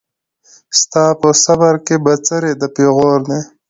ستا په صبر کي بڅری د پېغور دی